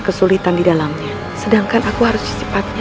kau tidak akan terjadi